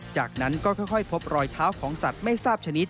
จากนั้นก็ค่อยพบรอยเท้าของสัตว์ไม่ทราบชนิด